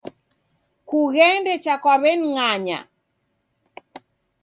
Kughende cha kwa w'eni ng'anya